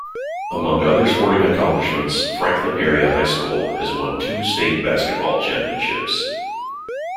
Among other sporting accomplishments, Franklin Area High School has won two state basketball championships.